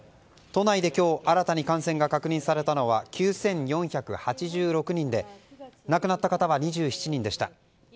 都内で今日新たに感染が確認されたのは９４８６人で亡くなった方は２７人でした。